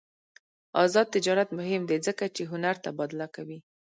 آزاد تجارت مهم دی ځکه چې هنر تبادله کوي.